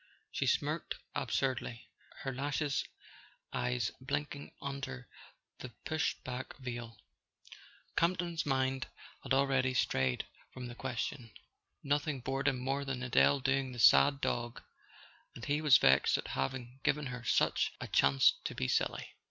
.." She smirked ab¬ surdly, her lashless eyes blinking under the pushed back veil. A SON AT THE FRONT Campton's mind had already strayed from the ques¬ tion. Nothing bored him more than Adele doing the "sad dog," and he was vexed at having given her such a chance to be silly.